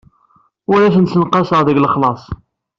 Ur asent-ssenqaseɣ deg lexlaṣ.